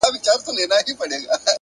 نظم ګډوډ ذهن آراموي.